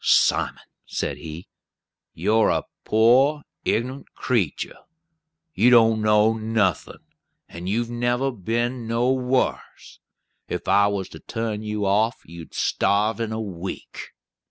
"Simon," said he, "you're a poor ignunt creetur. You don't know nothin', and you've never been nowhars. If I was to turn you off, you'd starve in a week."